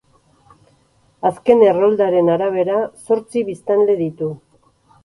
Azken erroldaren arabera zortzi biztanle ditu.